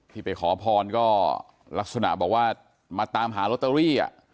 ไปขอพรก็ลักษณะบอกว่ามาตามหาลอตเตอรี่